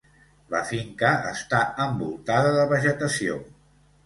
La finca està envoltada de vegetació.